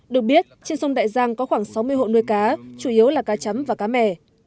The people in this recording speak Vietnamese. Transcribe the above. được biết trên sông đại giang có khoảng sáu mươi hộ nuôi cá chủ yếu là cá chấm và cá mẻ